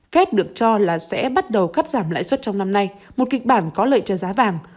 fed được cho là sẽ bắt đầu cắt giảm lãi suất trong năm nay một kịch bản có lợi cho giá vàng